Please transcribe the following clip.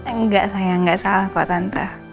enggak sayang enggak salah kok tante